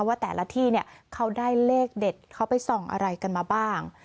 ว่าแต่ละที่เนี่ยเขาได้เลขเด็ดเขาไปส่องอะไรกันมาบ้าง